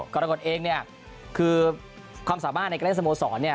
กรกฎเองคือความสามารถในการเล่นสโมสร